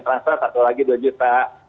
transfer satu lagi dua juta